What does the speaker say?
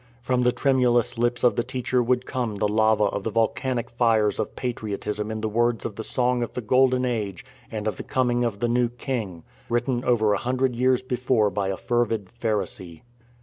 From the tremulous lips of the teacher would come the lava of the volcanic fires of patriotism in the words of the song of the Golden Age and of the coming of the new King, writ ten over a hundred years before by a fervid Pharisee.